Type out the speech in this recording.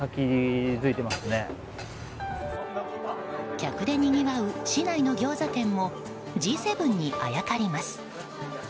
客でにぎわう市内のギョーザ店もＧ７にあやかります。